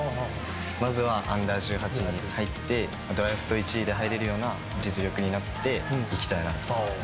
まずはアンダー１８に入って、ドラフト１位で入れるような実力になっていきたいなと思ってます。